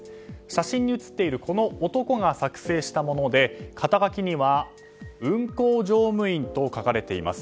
写真に写っているこの男が作成したもので肩書きには運航乗務員と書かれています。